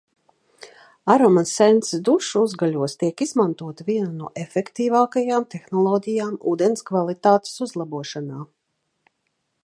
Aroma Sense dušu uzgaļos tiek izmantota viena no efektīvākajām tehnoloģijām ūdens kvalitātes uzlabošanā